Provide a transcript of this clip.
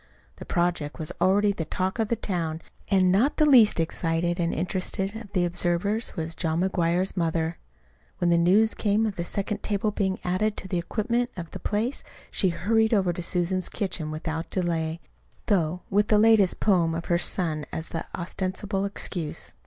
The project was already the talk of the town, and not the least excited and interested of the observers was John McGuire's mother. When the news came of the second table's being added to the equipment of the place, she hurried over to Susan's kitchen without delay though with the latest poem of her son's as the ostensible excuse.